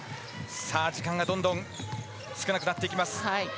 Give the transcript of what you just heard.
時間がどんどん少なくなっていきます。